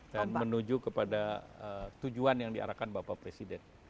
dan menuju kepada tujuan yang diarahkan bapak presiden